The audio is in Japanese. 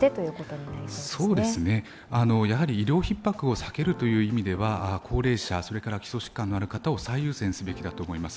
医療ひっ迫を避けるという意味では、高齢者、それから基礎疾患のある方を最優先すべきだと思います。